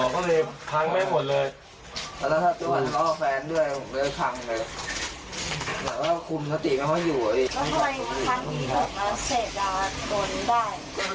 อ๋อก็เลยพังไม่ไหว้หมดเลย